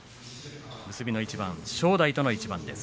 結びの一番で正代との一番です。